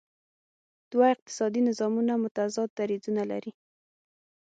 دوه اقتصادي نظامونه متضاد دریځونه لري.